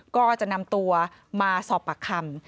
ก็จะนำตัวมาสอบปากคำ